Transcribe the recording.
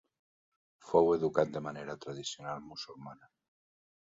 Fou educat de manera tradicional musulmana.